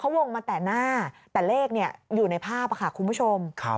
วงมาแต่หน้าแต่เลขอยู่ในภาพค่ะคุณผู้ชม